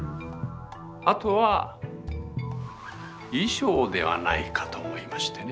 あとは衣装ではないかと思いましてね。